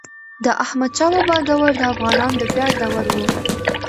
د احمد شاه بابا دور د افغانانو د ویاړ دور و.